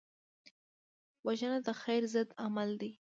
وژنه د خیر ضد عمل دی